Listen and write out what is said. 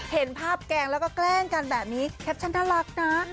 เห็นภาพแกล้งแล้วก็แกล้งกันแบบนี้แคปชั่นน่ารักนะ